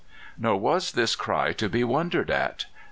Nor was this cry to be wondered at.